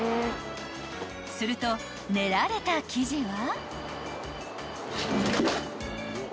［すると練られた生地は］